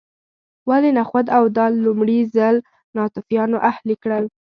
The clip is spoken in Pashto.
ولې نخود او دال لومړي ځل ناتوفیانو اهلي کړل